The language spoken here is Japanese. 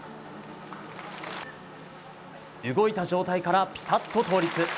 動いた状態からピタッと倒立。